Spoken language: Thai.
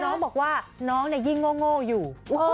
น้องบอกว่าน้องยิ่งโง่อยู่